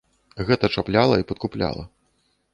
Гэта чапляла і падкупляла.